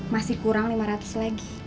masih kurang lima ratus lagi